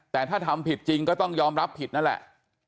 แต่ถ้าทำผิดจริงก็ต้องยอมรับผิดนั่นแหละ